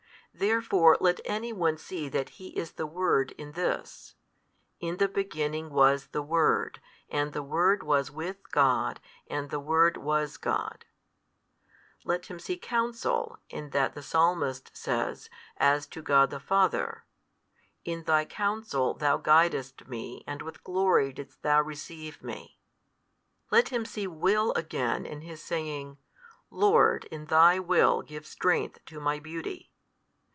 Therefore let any one see that Ho is the Word in this, In the beginning was the Word and the Word was with God and the Word was God: let him see Counsel, in that the Psalmist says, as to God the Father, In Thy Counsel Thou guidedst me and with glory didst Thou receive me: let him see Will again in his saying, Lord in Thy Will give strength to my beauty.